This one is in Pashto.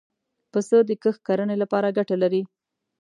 پسه د کښت کرنې له پاره ګټه لري.